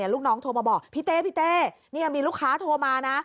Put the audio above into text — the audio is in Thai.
ลูกน้องโทรมาบอกพี่เต้มีลูกค้าโทรมานะ